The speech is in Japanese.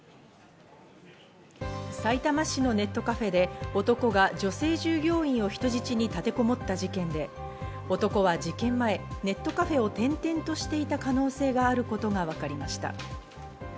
さいたま市のネットカフェで男が女性従業員を人質に立てこもった事件で、男は事件前、ネットカフェを転々としていた可能性があることが分かりました。